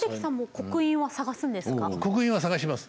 刻印は探します。